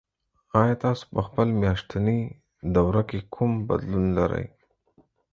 ایا تاسو په خپل میاشتني دوره کې کوم بدلون لرئ؟